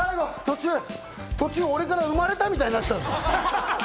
途中、俺から生まれたみたいになってた！